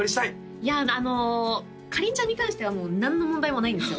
いやあのかりんちゃんに関してはもう何の問題もないんですよ